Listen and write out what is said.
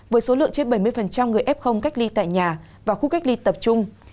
với số lượng trên bảy mươi người f cách ly tại nhà và khu cách ly tập trung